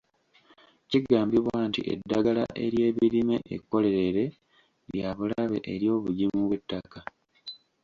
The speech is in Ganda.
Kigambibwa nti eddagala ery'ebirime ekkolerere lya bulabe eri obugimu bw'ettaka.